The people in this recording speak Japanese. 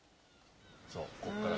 そうここから。